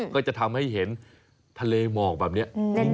ก็จะทำให้เห็นทะเลหมอกแบบนี้